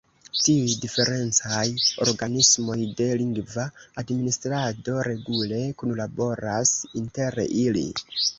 Tiuj diferencaj organismoj de lingva administrado regule kunlaboras inter ili.